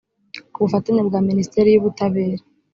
ku bufatanye bwa ministeri y ubutabera